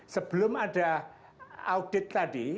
sebelum ada audit tadi